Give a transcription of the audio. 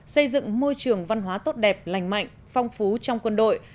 xây dựng môi trường văn hóa tốt đẹp lành mạnh phong phú trong quân đội